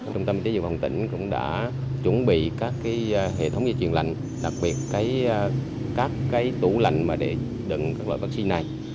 trung tâm y tế dự phòng tỉnh cũng đã chuẩn bị các hệ thống dịch truyền lạnh đặc biệt các tủ lạnh để đựng các loại vắc xin này